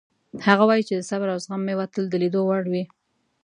هغه وایي چې د صبر او زغم میوه تل د لیدو وړ وي